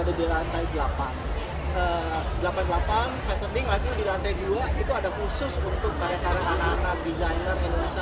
ada di lantai delapan delapan puluh delapan fedling lagi di lantai dua itu ada khusus untuk karya karya anak anak desainer indonesia